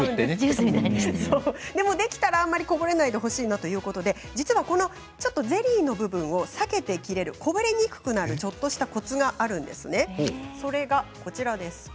できたらあまりこぼれないでほしいなということでゼリー部分を避けて切れる、こぼれにくくなるちょっとしたコツがあるんです。